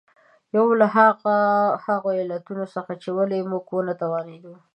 یو له هغو علتونو څخه چې ولې موږ ونه توانېدو.